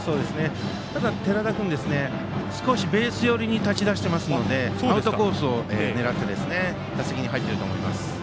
ただ寺田君少しベース寄りに立ち始めているのでアウトコースを狙って打席に入っていますね。